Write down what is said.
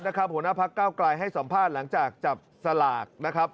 ติดตามหัวหน้าภักร์เก้าไกลให้สัมภาษณ์หลังจากจับหลาก